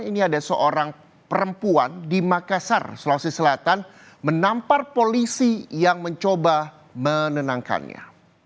ini ada seorang perempuan di makassar sulawesi selatan menampar polisi yang mencoba menenangkannya